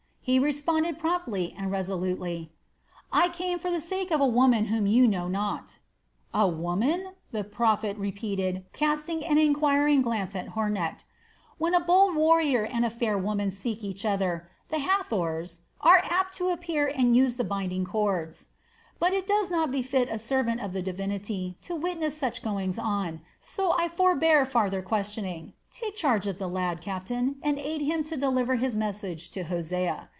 he responded promptly and resolutely: "I came for the sake of a woman whom you know not." "A woman?" the prophet repeated, casting an enquiring glance at Hornecht. "When a bold warrior and a fair woman seek each other, the Hathors [The Egyptian goddesses of love, who are frequently represented with cords in their hands,] are apt to appear and use the binding cords; but it does not befit a servant of the divinity to witness such goings on, so I forbear farther questioning. Take charge of the lad, captain, and aid him to deliver his message to Hosea.